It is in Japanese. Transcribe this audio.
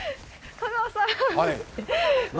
香川さん何？